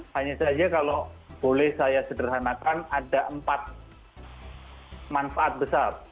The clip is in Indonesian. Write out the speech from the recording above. hanya saja kalau boleh saya sederhanakan ada empat manfaat besar